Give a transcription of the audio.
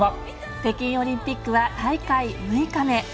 北京オリンピックは大会６日目。